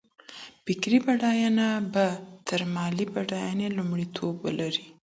فکري بډاينه به تر مالي بډاينې لومړيتوب ولري.